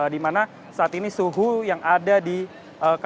dimana saat ini suhu yang ada di kawasan pertamika